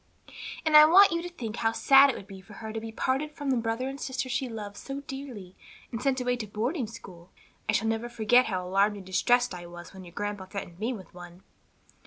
"And I want you to think how sad it would be for her to be parted from the brother and sister she loves so dearly and sent away alone to boarding school. I shall never forget how alarmed and distressed I was when your grandpa threatened me with one."